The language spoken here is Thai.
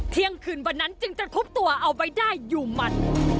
เที่ยงคืนวันนั้นจึงตระคุบตัวเอาไว้ได้อยู่มัน